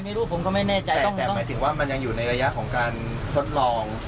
ไม่รู้ผมก็ไม่แน่ใจแต่แต่หมายถึงว่ามันยังอยู่ในระยะของการทดลอง